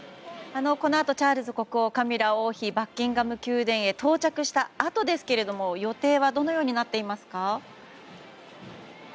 このあとチャールズ国王、カミラ王妃がバッキンガム宮殿へ到着したあとですけれども予定はどのようになっていますか？